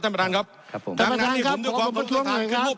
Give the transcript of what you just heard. ท่านประธานที่ขอรับครับ